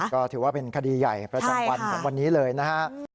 ก็ถือว่าเป็นคดีใหญ่ประจำวันของวันนี้เลยนะครับ